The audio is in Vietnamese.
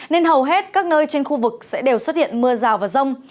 nên hầu hết các nơi trên khu vực sẽ đều xuất hiện mưa rào và rông